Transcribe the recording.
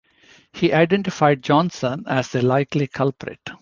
He identified Johnson as the likely culprit.